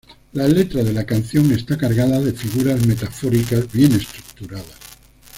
La letra de la canción está cargada de figuras metafóricas bien estructuradas.